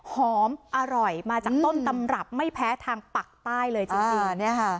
หอมอร่อยมาจากต้นตำรับไม่แพ้ทางปากใต้เลยจริง